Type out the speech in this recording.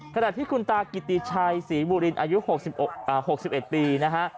ขณะที่คุณตากิติชัยศรีบุรินอายุ๖๑ปีนะฮะ